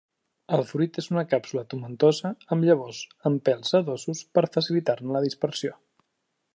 El fruit és una càpsula tomentosa, amb llavors amb pèls sedosos per facilitar-ne la dispersió.